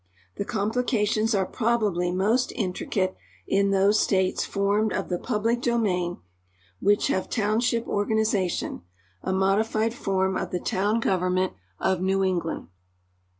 I'he complications are probably most intricate in those states formed of the public domain which have township organization, a modified form of the town government of New England.